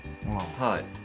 はい。